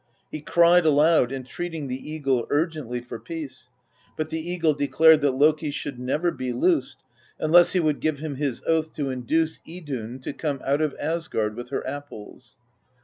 He cried aloud, entreating the eagle urgently for peace; but the eagle declared that Loki should never be loosed, unless he would give him his oath to induce Idunn to come out of Asgard with her apples.